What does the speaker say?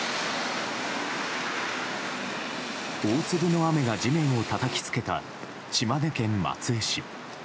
大粒の雨が地面をたたきつけた島根県松江市。